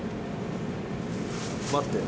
待って。